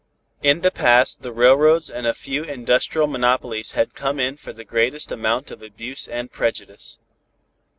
In the past the railroads and a few industrial monopolies had come in for the greatest amount of abuse and prejudice.